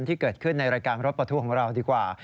ที่เกิดขึ้นในรายการรถประทุกข์ของเราดีกว่า